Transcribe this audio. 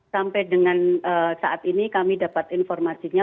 sampai dengan saat ini kami dapat informasinya